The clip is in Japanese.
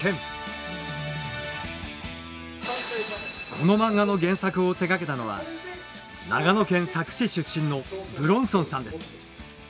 この漫画の原作を手がけたのは長野県佐久市出身の武論尊さんです。